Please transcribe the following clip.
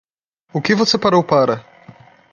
O que você parou para?